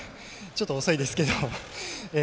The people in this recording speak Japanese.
ちょっと遅いですけど。